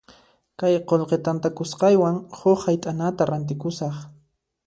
Kay qullqi tantakusqaywan huk hayt'anata rantikusaq.